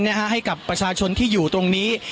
เดี๋ยวฟังบริกาศสักครู่นะครับคุณผู้ชมครับ